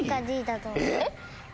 えっ。